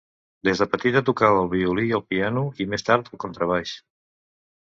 Des de petita tocava el violí i el piano i més tard el contrabaix.